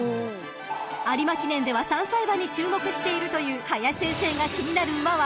［有馬記念では３歳馬に注目しているという林先生が気になる馬は］